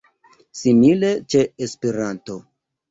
Simile ĉe Esperanto.